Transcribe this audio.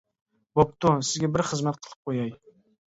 بوپتۇ سىزگە بىر خىزمەت قىلىپ قوياي.